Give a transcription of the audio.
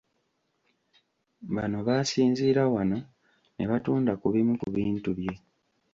Bano baasinziira wano ne batunda ku bimu ku bintu bye.